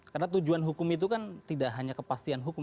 karena tujuan hukum itu kan tidak hanya kepastian hukum